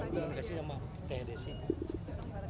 terima kasih sama tndsi